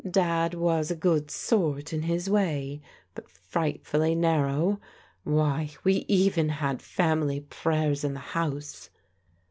Dad was a good sort in his way, but frightfully narrow. Why, we even had family prayers in the house!"